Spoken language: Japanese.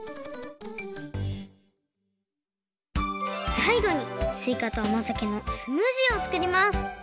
さいごにすいかとあまざけのスムージーをつくります